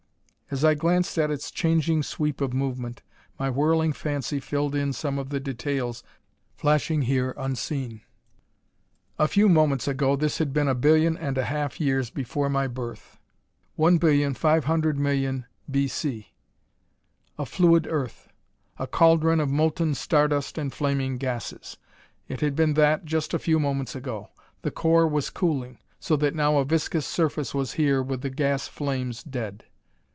As I gazed at its changing sweep of movement, my whirling fancy filled in some of the details flashing here unseen. A few moments ago this had been a billion and a half years before my birth. 1,500,000,000 B. C. A fluid Earth; a cauldron of molten star dust and flaming gases: it had been that, just a few moments ago. The core was cooling, so that now a viscous surface was here with the gas flames dead.